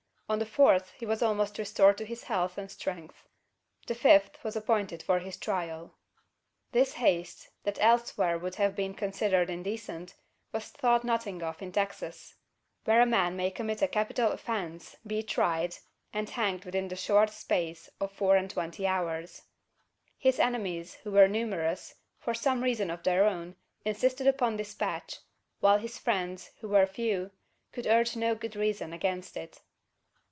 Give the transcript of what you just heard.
On the fourth he was almost restored to his health and strength. The fifth was appointed for his trial! This haste that elsewhere would have been considered indecent was thought nothing of in Texas; where a man may commit a capital offence, be tried, and hanged within the short space of four and twenty hours! His enemies, who were numerous, for some reason of their own, insisted upon despatch: while his friends, who were few, could urge no good reason against it.